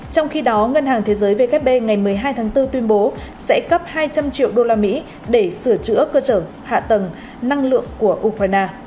trong khi đó ngân hàng thế giới vkp ngày một mươi hai tháng bốn tuyên bố sẽ cấp hai trăm linh triệu usd để sửa chữa cơ sở hạ tầng năng lượng của ukraine